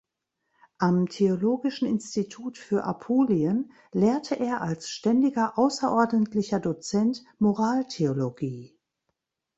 Am Theologischen Institut für Apulien lehrte er als ständiger außerordentlicher Dozent Moraltheologie.